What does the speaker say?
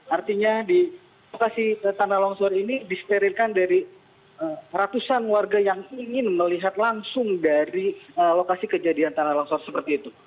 artinya di lokasi tanah longsor ini disterilkan dari ratusan warga yang ingin melihat langsung dari lokasi kejadian tanah longsor seperti itu